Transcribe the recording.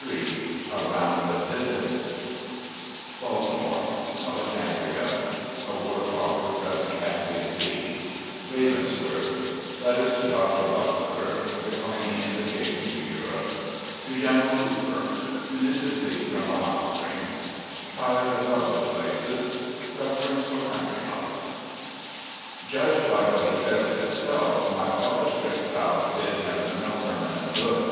CHAPTER XXIII A Round op Visits BALTIMORB — ^ALEXANDRIA — ^A WAR TALK WITH COUSIN CASSIUS LEE —" RAVENSWORTH "— LETTERS TO DR. BUCKLER DECLINING INVITATION TO EUROPE — TO GENERAL COOPER — ^TO MRS. LEE PROM THE HOT SPRINGS — TIRED OP PUBLIC PLACES — PREPERENCE POR COUNTRY LIFE Judged by what he says of himself, my father's trip South did him no permanent good.